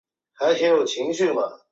普拉斯莱。